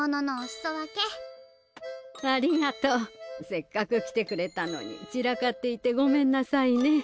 せっかく来てくれたのに散らかっていてごめんなさいね。